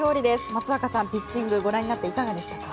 松坂さん、ピッチングご覧になっていかがでしたか？